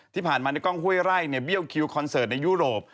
ที่ผ่านมาในกล้องคุยไล่เรียวคิวคอนเสิร์ตในยุโรป